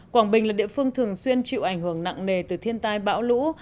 quảng bình là địa phương thường xuyên chịu ảnh hưởng nặng nề từ thiên tai bão lũ